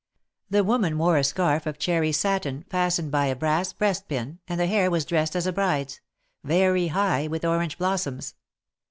The woman wore a scarf of cherry satin, fastened by a brass breastpin, and the hair was dressed as a bride's — very high, with orange blossoms.